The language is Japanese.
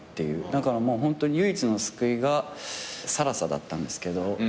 だからもうホントに唯一の救いが更紗だったんですけど。